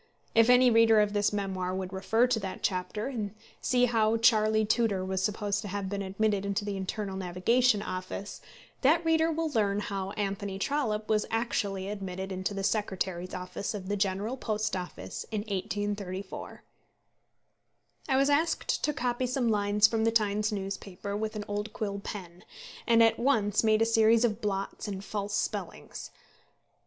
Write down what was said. If any reader of this memoir would refer to that chapter and see how Charley Tudor was supposed to have been admitted into the Internal Navigation Office, that reader will learn how Anthony Trollope was actually admitted into the Secretary's office of the General Post Office in 1834. I was asked to copy some lines from the Times newspaper with an old quill pen, and at once made a series of blots and false spellings.